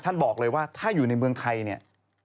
ท่านบอกเลยว่าถ้าอยู่ในเมืองไทยเนี่ย